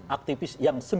aktivis yang sembilan puluh an